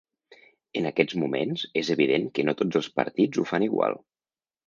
En aquests moments és evident que no tots els partits ho fan igual.